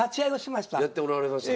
やっておられましたか。